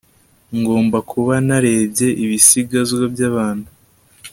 ngomba kuba narebye ibisigazwa byabantu